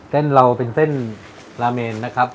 เส้นเราเป็นเส้นลาเมนนะครับ